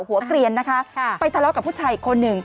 เกลียนนะคะไปทะเลาะกับผู้ชายอีกคนหนึ่ง